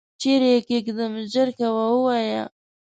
چیري یې کښېږدم ؟ ژر کوه ووایه !